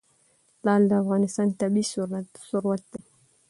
لعل د افغانستان طبعي ثروت دی.